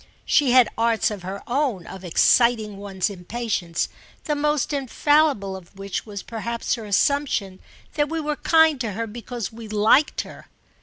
She had arts of her own of exciting one's impatience, the most infallible of which was perhaps her assumption that we were kind to her because we liked her.